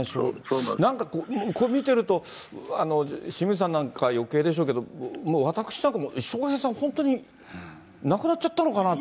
なんかこう、見てると、清水さんなんかよけいでしょうけど、もう私なんかも笑瓶さん、本当に亡くなっちゃったのかなって。